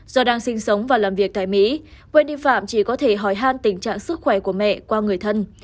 do đang sinh sống và làm việc tại mỹ wendy phạm chỉ có thể hỏi hàn tình trạng sức khỏe của mẹ qua người thân